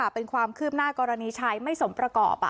เป็นความคืบหน้ากรณีชายไม่สมประกอบ